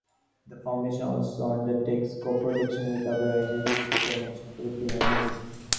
The Foundation also undertakes co-production with other agencies to promote Filipino music.